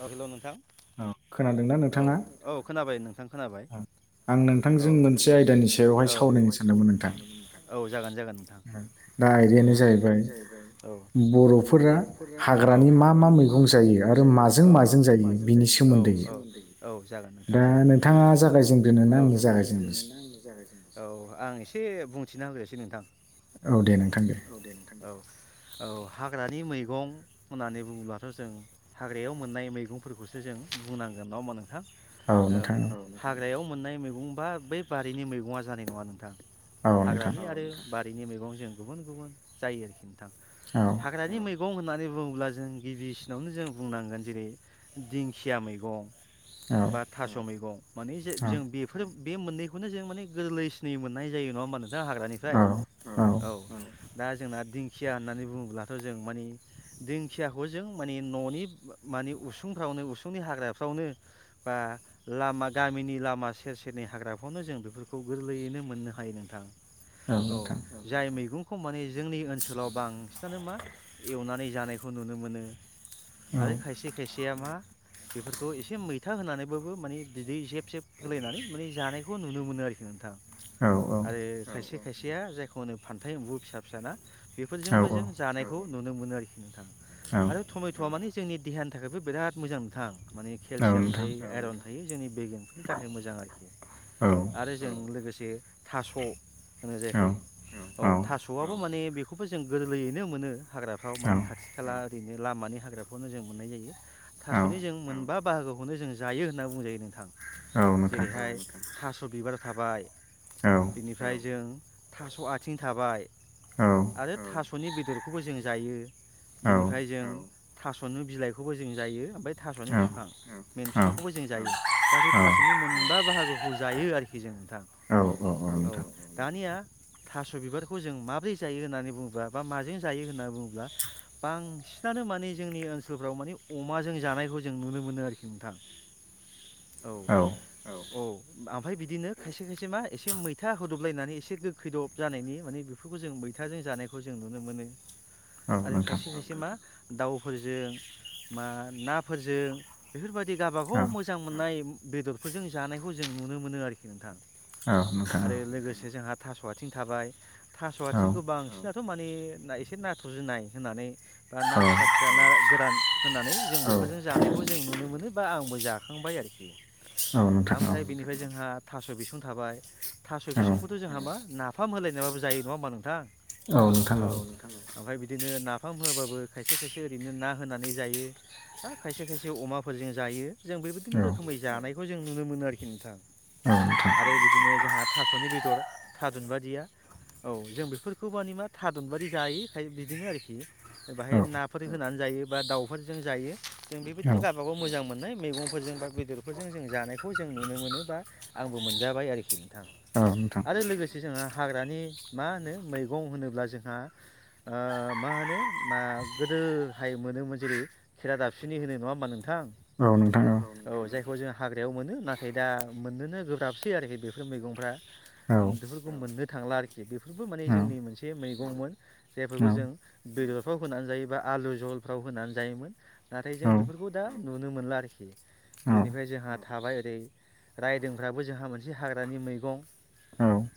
औ हेल' नोंथां औ औ खोनाबाय नोंथां खोनाबाय। औ नोंथांजों मोनसे आयदा औ बेवहाय सावरायनो सानदोंमोन नोंथां औ जागोन जागोन नोंथां। आयदायानो जाहैबाय बर'फोरा हाग्रानि मा मा मैगं जायो? औ औ औ औ जागोन नोंथां जागोन। ओ नोंथाङा जागायजेनग्रो ना आंनो जागाय जेन्नो? आं एसे बुंथिना होग्रोसै नोंथां। औ दे नों औ दे नोंथां। औ हाग्रानि मैगं होननानै बुङोब्लाथ' जों हाग्रायाव मोननाय मैगंफोरखौसो जों बुंनांगोन नङा होमबा नोंथां? औ हाग्रायाव मोननाय मैगं बा बै बारिनि मैग'ङा जानाय नङा नोंथां। हाग्रानि आरो बारिनि मैगंजों गुबुन गुबुन जायो आरखि नोंथां। हाग्राानि मै मैगं' होननानै बुङोब्ला जों गिबिसिनावनो जों बुंनांगोन जेरै दिंखिया मैगं'। बा थास' मैगं मानि जे जों बेफोर बे मोननैखौनो जों माने गोरलैसिनै मोननाय जायो नङा होमबा नोंथां हाग्रानिफ्राय? दा जोंना दिंखिया होननानै बुङोब्लाथ' जों मानि दिंखियाखौ जों माने न'नि मानि उसुंफ्रावनो उसुंनि हाग्राफ्रावनो बा लामा गामिनि लामा से सेर सेर हाग्राफ्रावनो जों बेफोरखौ गोरलैयैनो मोननो हायो नोंथां। औ नोंथां। जाय मैगंखौ माने जोंनि ओनसोलाव बांसिनानो मा एवनानै जानायखौ नुनो मोनो। आरो खायसे खायसेया मा बेफोरखौ एसे मैथा होनानैबाबो माने बिदै जेब जेब होलायनानै माने जानायखौ नुनो मोनो आरोखि नोंथां। आरो खायसे खायसेया जायखौ नों फान्थाय एम्बु फिसा फिसा ना? बेफोरजोंबो जों जानायखौ नुनो मोनो आरोखि नोंथां आरो टमेट'आ मानि जोंनि देहानि थाखायबो बिराद मोजां नोंथां माने केलसियाम थायो आइरन थायो जोंनि बेगेंफोरनि थाखाय मोजां आरो आरो जों लोगोसे थास' होनो जायखौ औ थास'आबो माने बेखौबो जों गोरलैयैनो मोनो। हाग्राफ्राव मानि खाथि खाला ओरैनो लामानि हाग्राफ्रावनो जों मोननाय जायो थास'नि जों मोनबा बाहागोखौनो जों जायो होनना बुंजायो नोंथां जेरैहाय थास' बिबार थाबाय बिनिफ्राय जों थास' आथिं थाबाय आरो थास' नि बेदरखौबो जों जायो बिनिफ्राय जों थास'नि बिलाइखौबो जों जायो आमफाय थास'नि बिफां मेन फिफांखौबो जों जायो गासै थास'नि मोनबा बाहागो खौ जायो आरोखि जों नोंथां औ दानिया थास' बिबारखौ जों माब्रै जायो होननानै बुङोब्ला बा माजों जायो होननानै बुङोब्ला बांसिना नो माने जोंनि ओनसोलफ्राव माने अमाजों जानायखौ जों नुनो मोनो आरोखि नोंथां। औ। औ आमफाय बिदिनो खायसे खायसे मा एसे मैथा होदबलायनानै एसे गोग खैदब जानायनि माने बेफोरखौ जों मैथाजों जानायखौ जों नुनो मोनो। आरो खायसे खायसे मा दाउफोरजों मा नाफोरजों बेफोरबायदि गाबागाव मोजां मोननाय बेदरफोरजों जानायखौ जों नुनो मोनो आरोखि नोंथां आरो लोगोसे जोंहा थास' आथिं थाबाय थास' आथिंखौ बांसिनाथ' माने ना एसे नाथुर जुनाय होनानै बा ना फिसा फिसा ना गोरान होनानै जों बेफोरजों जानायखौ जों नुनो मोनो बा आंबो जाखांबाय आमफ्राय बिनिफ्राय जोंहा थास' बिसुं थाबाय थास' बिसुंखौथ' ज जोंहा मा नाफाम होलायनायबाबो जायो नङा होमबा नोंथां? औ नोंथां। आमफ्राय बिदिनो नाफाम होवाबाबो खायसे खायसे ओरैनो ना होनानै जायो बा खायसे खायसे अमा जों जायो जों बेबायदिनो रोखोमै जानायखौ जों नुनो मोनो आरोखि नोंथां। आरो बिदिनो जोंहा थास'नि बेदर थारुन बादिया औ जों बेफोरखौ मानि मा थादुनबादि जायोखाय बिदिनो आरोखि। बाहाय नाफोर होनानै जायो बा दाउफोरजों जायो जों बेबायदिनो गावबागाव मोजां मोननाय मैगंफोरजों बा बेदरफोरजों जों जानायखौ जों नुनो मोनो बा आंबो मोनजाबाय आरोखि नोंथां। औ नोंथां। आरो लोगोसे जोंहा हाग्रानि मा होनो मैगं होनोब्ला जोंहा ओ मा होनो मा गोदोहाय मोनोमोन जेरै खेरा दाबसिनि होनो नङा होमबा नोंथां। औ जायखौ जों हाग्रायाव मोनो नाथाय दा मोननोनो गोब्राबसै आरोखि बेफोर मैगंफ्रा बेफोरखौ मोननो थांला आरोखि बेफोरबो माने जोंनि मोनसे मैगंमोन जायफोरखौ जों बे बेफ्राव होनानै जायो बा आलु जझहलफ्राव होनानै जायोमोन नाथाय जों बेफोरखौ दा नुनो मोनला आरोखि। बेनिफ्राय जोंहा थाबाय ओरै रायदोंफ्राबो जोंहा मोनसे हाग्रानि मैगं।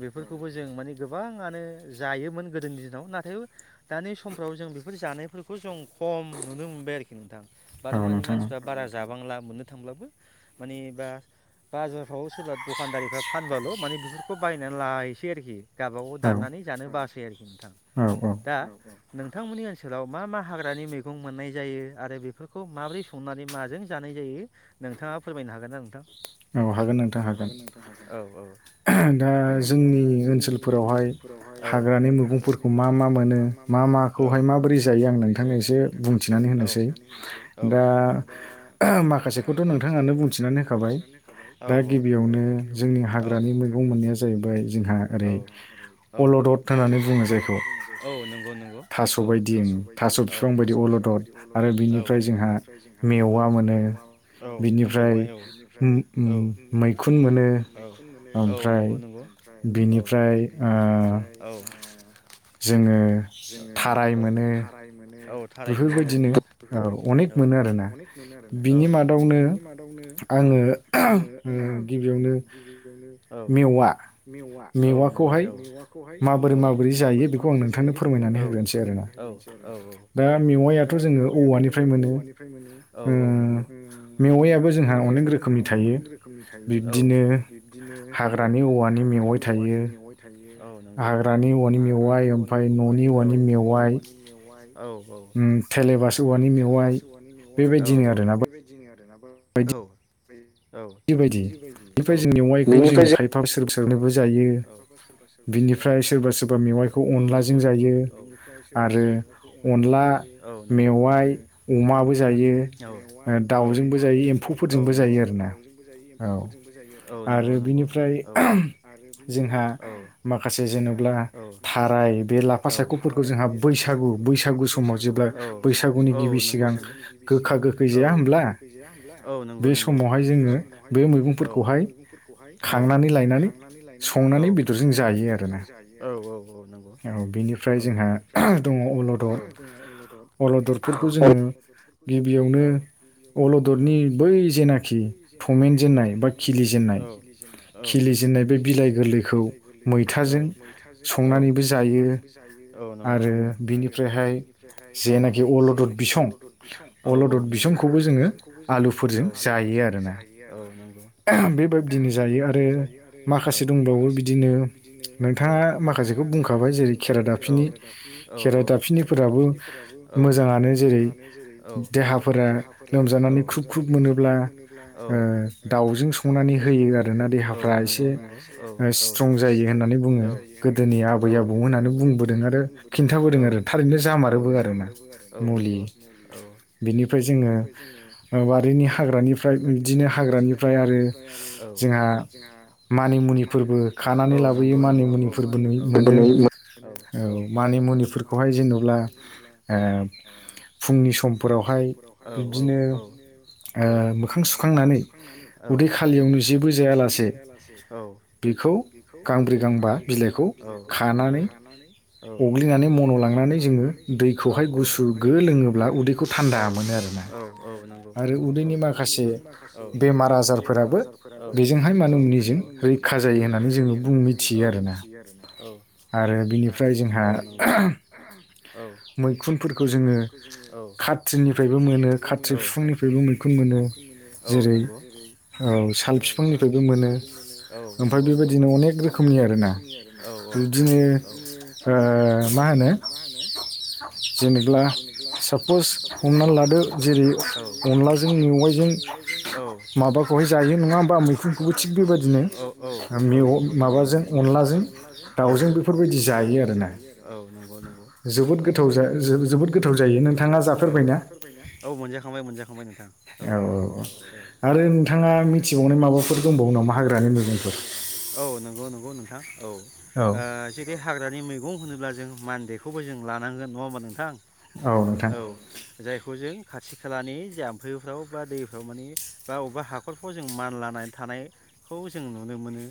बेफोरखौबो जों माने गोबाङानो जायोमोन गोदोनि दिनाव नाथाय दानि समफ्राव जों बेफोर जानायफोरखौ जों खम नुनो मोनबाय आरोखि नोंथां बार मानि मानसिफ्रा बारा जाबांला मोन थांबो माने बा बाजारफ्राव सोरबा दखानदारिफ्रा फानबाल' मान बे खौ बायनानै लायसै आरोखि गावबागाव दाननानै जानो बासै आरोखि नोंथां। दा नोंथांमोननि ओनसोलाव मा मा हाग्रानि मैगं मोननाय जायो आरो बेफोरखौ माबोरै स नानै माजों जानाय जायो नोंथाङा फोरमायनो हागोन ना नोंथां। औ हागोन। औ हागोन नोंथां हागोन औ औ। दा जोंनि ओनसोलफोरावहाय हाग्रानि मैगंफोरखौ मा मा मोनो मा माखौ खौहाय माबोरै जायो आं नोंथांनो एसे बुंथिनानै होनोसै दा मा खासेखौथ' नोंथाङानो बुंथिनानै होखाबाय दा गिबियावनो जोंनि हाग्रानि मैगं मोननाय ज मैगं मोननाया जाहैबाय औ औ अलदद होननानै जायखौ औ नंगौ नंगौ। औ थास' बायदि औ थास' बिफां बायदि अलदद आरो बिनिफ्राय जोंहा औ मेवा औ मेवाय बिफ्राय औ औ मैखुन मोनो औ। औ नंगौ नंगौ औ बिनिफ्राय जोंहा औ। जोङो थाराय मोनो। थाराय मोनो औ बेफोरबायदिनो औ औ अनेक मोनो आरोना औ बिनि मादावनो औ। आङो गिबियावनो मेवा मेवा औ मेला औ मेवाखौहाय औ माबोरै माबोरै जायो बेखौ आं नोंथांनो औ फोरमायनानै होनोसै आरो औ। औ औ दा मेवायाथ' जोङो औवानिफ्राय मोनो औ औ नंगौ। मेवायाबो जोंहा अनेक रोखोमनि थायो औ बिब्दिनो रानि औवानि मेवाइ थायो। औ नंगौ हाग्रानि औवानि मेवाइ ओमफ्राय न'नि औवानि मेवाइ। औ औ थेलेबास औवानि मेवाय औ औ बेबायदिनो आ औ औ औ बेनिफ्राय जों थांसुरुब सोरनोबो जायो बिनिफ्राय सोरबा सोरबा मेवाइखौ अनलाजों जायो। बेनिफ्राय सोरबा सोरबा मेखौ अनलाजों जायो औ नंगौ आरो अनला मेवा दाउजोंबो जायो एम्फौफोरजोंबो जायो आरो ना। जायो एम्फौरजोंबो जायो आरो औ नंगौ नंगौ। [unintelligible] आरो बिनिफ्राय औ जोंहा औ माखासे जेनब्ला औ हाराय बे ला सायख'फोरखौ जोंहा बैसागु औ बैसागु समाव औ जोंहा औ नंगौ नंगौ बैसागुनि गिबि सिगां औ गोखा गोखै जा औ नंगौ नंगौ बे समहाय जोङो औ बे मैगफोरखौहाय औ खांनानै लायनानै औ संनानै बेदरजों जायो औ औ। नंगौ औ बेनिफ्राय जोंहा दङ अलदद औ अलदरफोरखौ जोङो गिबियावनो अलदरनि बै जेनाखि थमेनजेन नाय बा खिलिजेननाय खिलिजेनन्नाय बे बिलाइ गोरलैखौ मैथाजों संनानै संनानैबो जायो औ नंगौ नंगौ आरो बिनिफ्रायहाय औ जेनाखि अलदद बिसं औ औ नंगौ अलदद बिसंखौबो जोङो औ आलुफोरजों जायो औ नंगौ बेबायाददिनो जायो आ बिदिनो जायो आरो औ माखासे दंबावो बिदिनो औ नोंथाङा माखासेखौ बुंखाबाय औ जों खेराइ दाबफिनि औ औ खेराइ दाबफिनिफोराबो औ मोजाङानो जा देहाफोरा लोमजानानै ख्रुब-ख्रुब मोनोब्ला ओ दाउजों संना नै होयो आरो औ नंगौ नंगौ औ औ स्ट्रं जायो होननानै दिनै आबै आबौमोनानो बुंबोदों आरो खिन्थाबोदों आरो थारैनो जामारोबो आरोना मुलि [inaudible] बिनिफ्राय जोङो बारिनि हाग्रानिफ्राय बिदिनो हाग्रानिफ्राय आरो जोंहा मानि मुनिफोरबो खानानै लाबोयो मानिमुनिफोरबो नु मोनो औ मानि मुनिफोरखौहाय जेनब्ला ओ फुंनि समफोराव औ औ औ औ मोखां सुखांनानै औ उदै खालियावनो जेबो जाया जेबो जायालासे औ बेखौ गांब्रै गांबा औ बिलाइखौ औ खानानै औ औग्लिनानै मन' लांनानै जोङो औ औ दैखौ हाय गुसुर लोङोब्ला औ औ औ नंगौ नंगौ औ आरो उदैनि माखासे बेमार आजारफोरानो औ बेजोंहाय मानि मुनिजों औ रैखा जायो होननानै जोङो मिथियो आरोना आरो बिनिफ्राय जोंहा औ औ मैखुनफोरखौ जोङो खात्रिनिफ्रायबो मोनो खा औ खात्रि बिफांनिफ्रायबो मैखुन मोनो औ नंगौ जेरै औ साल बिफांनिफ्रायबो मोनो औ नंगौ ओमफ्राय बेबायदिनो अनेक रोखोमनि आरो ना औ औ औ बिदिनो ओ मा होनो जेनेब्ला सापस हमनानै लादो जेरै- औ अनलाजों मेवाइजों औ माबाखौहाय जायो नङा होम औ औ औ नंगौ माबाजों अनलाजों औ औ दावजों बेफोरबायदि जायो आरो। औ नंगौ नंगौ औ जोबोद गोथाव जोबोद गोथाव जायो नोंथाङा जाफेरबायना? औ मोनजाखांबाय मोनजाखांबाय नों औ औ औ आरो नोंथाङा मिथिबावनाय माबाफोर माबाफोर दंबावो नामा हाग्रानि मैगंफोर? औ नंगौ नंगौ नोंथां औ ओ जुदि हाग्रानि मैगं होनोब्ला जों मान्देखौबो जों लानांगोन नङा होमबा नोंथां? औ जायखौ जों खाथि खालानि जाम्फैफ्राव बा दैफ्राव मानि बा बबेबा हाखरफ्राव जों मानलानाय थानाय खौ जों नुनो मोनो।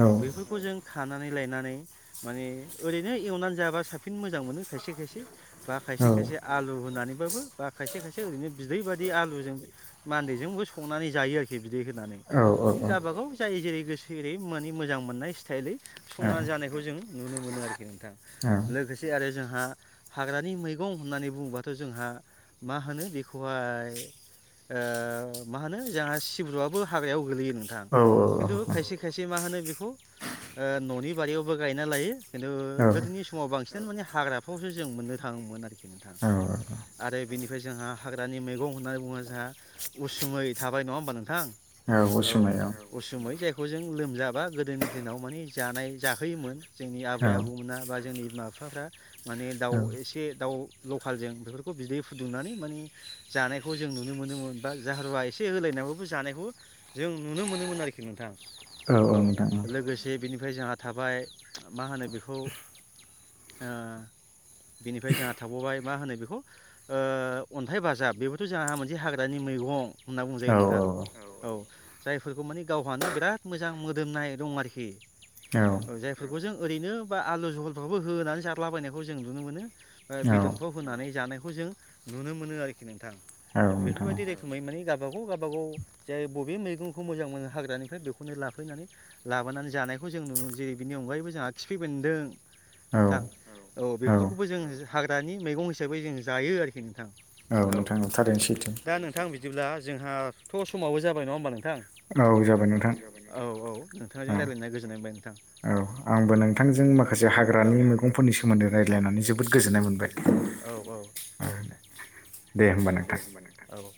औ बेफोरखौ जों खानानै नानै लायनानै माने ओरैनो एवनानै जाबा साबसिन मोजां मोनो खायसे खायसे बा खायसे खायसे आलु होनानैबो बा खायसे खायसे ओरैनो बिदै बादि आलुजों मान्देजोंबो संनानै जायो आरोखि बिदै होनानै। मानि गावबागाव जाय जेरै गोसो एरै माने मोजां मोननाय स्टाइलै संना जानायखौ जों नुनो मोनो आरोखि नोंथा लोगोसे आरो जों जोंहा हाग्रानि मैगं होननानै बुङोबाथ' जोंहा मा होनो बेखौहाय ओ मा होनो जोंहा सिब्रुआबो हाग्रायाव गोलैयो नोंथां। खिन्थु खायसे खायसे मा होनो बेखौ न'नि बारियावबो गायना लायो, खिन्थु गोदोनि समाव बांसिन माने हाग्राफ्रावसो जों मोननो थाङोमोन आरोखि नोंथां, आरो बिनि ओमफ्राय जोंहा हाग्रानि मैगं होननानै बुङो जोंहा उसुमै थाबाय नङा होमबा नोंथां औ उसुमै जायखौ खौ जों लोमजाबा गोदोनि दिनाव माने जानाय जाहोयोमोन जोंनि आबै आबौमोना बा जोंनि बिमा बिफाफ्रा माने दाउ एसे दाउ लकेलजों बेफोरखौ बिदै फुदुंनानै माने जानायखौ जों नुनो मोनोमोन बा जाहारुवा एसे होलायनानै जानायखौ जों नुनो मोनोमोन आरोखि नोंथां औ लोगोसे बिनिफ्राय जोंहा थाबाय मा होनो बेखौ ओ बिनिफ्राय जोंहा थाबावबाय मा होनो बेखौ ओ अन्थाइ बाजाब बेबोथ' जोंहा मोनसे हाग्रानि मैगं। होनना बुंजायो नोंथां जायफोरखौ माने गावहानो बिराद मोजां मोदोमनाय दं आरोखि। औ जायफोरखौ जों ओरैनो बा आलु जहलबो होनानै जादलाबायनायखौ जों नुनो मोनो। ओ बेदरफ्राव होनानै जानायखौ जों नुनो मोनो आरोखि नोंथां। बेफोरबायदि रोखोमै माने गावबागाव गावबागाव जाय बबे मैगंखौ मोजां मोनो हाग्रानिफ्राय बेखौनो लाफैनानै लाबोनानानै जानायखौ जों नुनो मोनो जेरै बेनि उ अनगायैबो जोंहा खिफै बेनदों नोंथां औ बेफोरखौबो जों हाग्रानि मैगं हिसाबै जों जायो आरोखि नोंथां। औ दा नोंथां बिदिब्ला जोंहाथ' समावबो जाबाय नङा होमबा नों नोंथां औ औ औ नोंथांजों रायज्लायनाय गोजोननाय मोनबाय नोंथां औ। आंबो नोंथांजों माखासे हाग्रानि मैगंफोरनि सोमोन्दै रायज्लायनानै जोबोद गोजोननाय मोनबाय औ औ। [unintelligible] दे होमबा नोंथां औ।